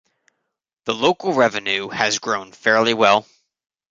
The local revenue has grown fairly well.